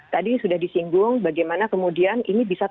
tadi sudah disinggung bagaimana kemudian ini bisa terjadi